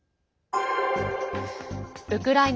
ウクライナ